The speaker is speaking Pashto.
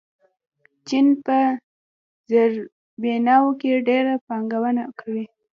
چین په زیربناوو کې ډېره پانګونه کوي.